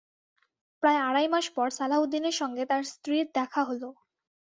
প্রায় আড়াই মাস পর সালাহ উদ্দিনের সঙ্গে তাঁর স্ত্রীর দেখা হলো।